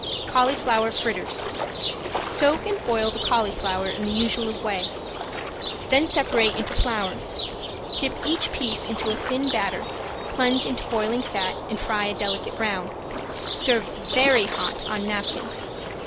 ~CAULIFLOWER FRITTERS~ Soak and boil the cauliflower in the usual way, then separate into flowers. Dip each piece into a thin batter, plunge into boiling fat and fry a delicate brown. Serve very hot on napkins.